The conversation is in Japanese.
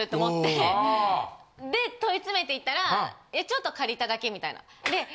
で問い詰めていったらちょっと借りただけみたいな。